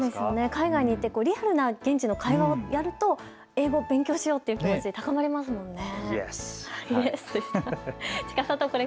海外に行ってリアルな現地の会話をやると英語を勉強しようという気持ちになりますもんね。